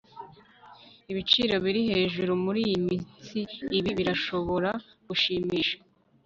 Ibiciro biri hejuru muriyi minsiIbi birashobora gushimisha